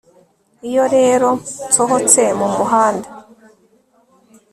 iyo rero nsohotse mumuhanda